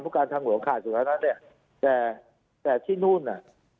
ผู้การทางหลวงขาดแต่ที่นู่นน่ะ